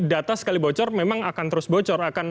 data sekali bocor memang akan terus bocor